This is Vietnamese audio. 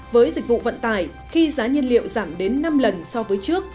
với dịch vụ vận tải khi giá nhân liệu giảm đến năm lần so với trước